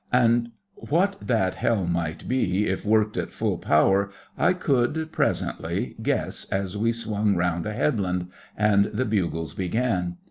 And what that hell might be if worked at full power I could, presently, guess as we swung round a headland, and the bugles began.